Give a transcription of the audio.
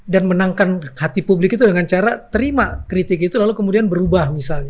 dan menangkan hati publik itu dengan cara terima kritik itu lalu kemudian berubah misalnya